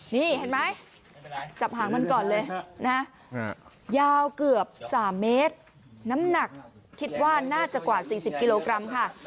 นี่เห็นไหมจับหางมันก่อนเลยนะยาวเกือบ๓เมตรน้ำหนักคิดว่าน่าจะกว่า๔๐กิโลกรัมค่ะ